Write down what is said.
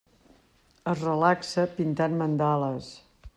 Es relaxa pintant mandales.